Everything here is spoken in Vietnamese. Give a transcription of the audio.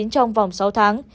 trong vòng sáu tháng